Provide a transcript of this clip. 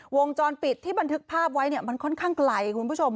วงจรปิดที่บันทึกภาพไว้เนี่ยมันค่อนข้างไกลคุณผู้ชม